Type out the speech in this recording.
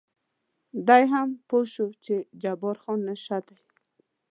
دی هم پوه شوی و چې جبار خان نشه دی.